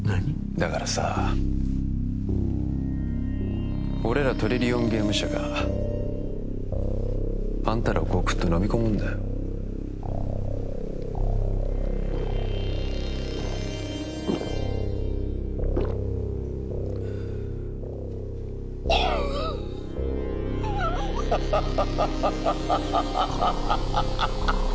だからさ俺らトリリオンゲーム社があんたらをごくっとのみ込むんだよあっハハハ